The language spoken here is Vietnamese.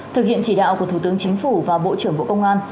thực hiện chỉ đạo của thủ tướng chính phủ và bộ trưởng bộ công an